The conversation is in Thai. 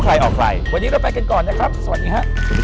ใครออกใครวันนี้เราไปกันก่อนนะครับสวัสดีครับสวัสดี